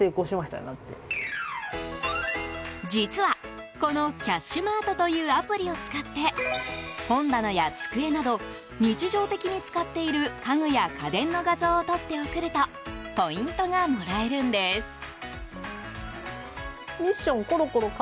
実は、このキャッシュマートというアプリを使って本棚や机など日常的に使っている家具や家電の画像を撮って送るとポイントがもらえるんです。